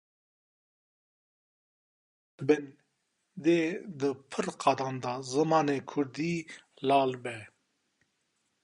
Heta em bêdewlet bin dê di pir qadan de zimanê Kurdi lal be.